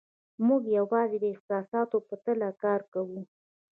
موږ یوازې د احساساتو په تله کار کوو.